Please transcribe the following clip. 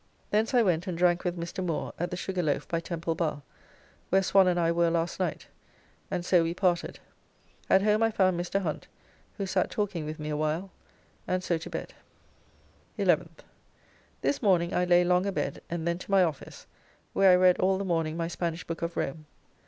Thence I went and drank with Mr. Moore at the Sugar Loaf by Temple Bar, where Swan and I were last night, and so we parted. At home I found Mr. Hunt, who sat talking with me awhile, and so to bed. 11th. This morning I lay long abed, and then to my office, where I read all the morning my Spanish book of Rome.